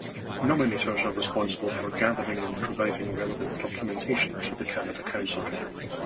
Nominators are responsible for gathering and providing relevant documentation to the Canada Council.